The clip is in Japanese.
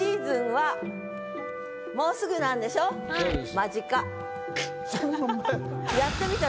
「間近」。